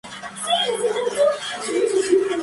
Gloria canta una plegaria a la Virgen María, "Vergine Santa".